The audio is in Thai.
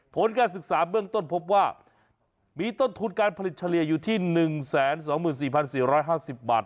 ผลการศึกษาเบื้องต้นพบว่ามีต้นทุนการผลิตเฉลี่ยอยู่ที่๑๒๔๔๕๐บาท